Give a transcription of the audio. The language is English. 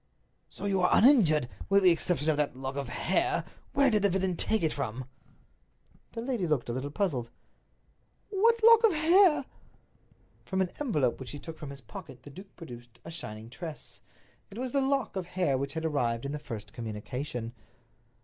"So you are uninjured, with the exception of that lock of hair. Where did the villain take it from?" The lady looked a little puzzled. "What lock of hair?" From an envelope which he took from his pocket the duke produced a shining tress. It was the lock of hair which had arrived in the first communication.